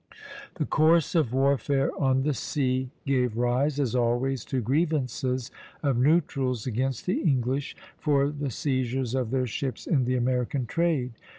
The course of warfare on the sea gave rise, as always, to grievances of neutrals against the English for the seizures of their ships in the American trade.